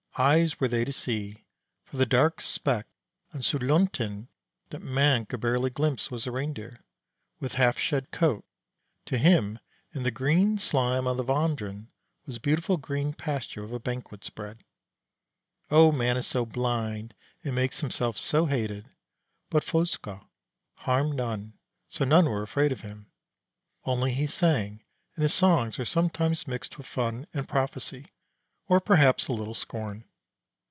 Eyes were they to see; for the dark speck on Suletind that man could barely glimpse was a Reindeer, with half shed coat, to him and the green slime on the Vandren was beautiful green pasture with a banquet spread. Oh, Man is so blind, and makes himself so hated! But Fossekal harmed none, so none were afraid of him. Only he sang, and his songs were sometimes mixed with fun and prophecy, or perhaps a little scorn.